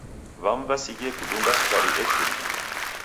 W'amu w'asighie kudunga sukari echuria.